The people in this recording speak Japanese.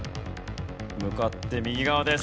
向かって右側です。